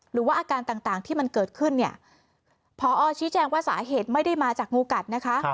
หรือว่าอาการต่างที่มันเกิดขึ้นเนี่ยพอชี้แจงว่าสาเหตุไม่ได้มาจากงูกัดนะคะ